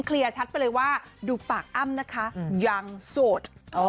ชัดไปเลยว่าดูปากอ้ำนะคะยังโสด